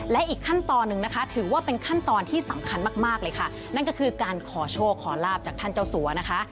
และอีกขั้นตอนหนึ่งนะคะถือว่าเป็นขั้นตอนที่สำคัญมากมากเลยค่ะนั่นก็คือการขอโชคขอลาบจากท่านเจ้าสัวนะคะ